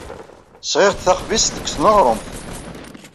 Sɣiɣ-d taxbizt seg tneɣrumt.